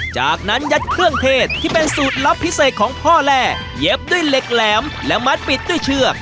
จากนั้นยัดเครื่องเทศที่เป็นสูตรลับพิเศษของพ่อแร่เย็บด้วยเหล็กแหลมและมัดปิดด้วยเชือก